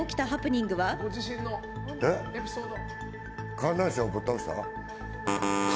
観覧車をぶっ倒した？